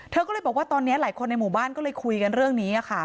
เธอก็เลยบอกว่าตอนนี้หลายคนในหมู่บ้านก็เลยคุยกันเรื่องนี้ค่ะ